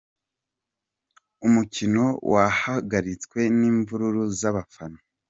Umukino wahagaritswe n’imvururu z’abafana